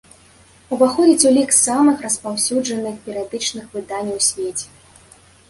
Уваходзіць у лік самых распаўсюджаных перыядычных выданняў у свеце.